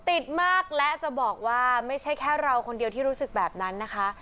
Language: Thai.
ติดมากและจะบอกว่าไม่ใช่แค่เราคนเดียวที่รู้สึกแบบนั้นนะคะ